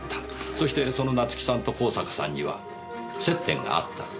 そしてその夏樹さんと香坂さんには接点があった。